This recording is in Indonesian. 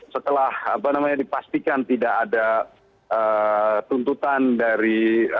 setelah dipastikan tidak ada tuntutan dari